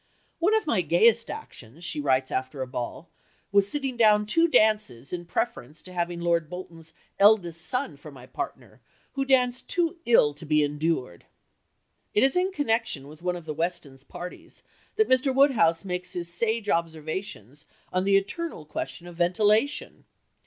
"One of my gayest actions," she writes after a ball, "was sitting down two dances in preference to having Lord Bolton's eldest son for my partner, who danced too ill to be endured." It is in connection with one of the Westons' parties that Mr. Woodhouse makes his sage observations on the eternal question of ventilation.